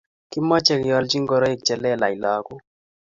kimeche kealchi ngoroik che lelach lagok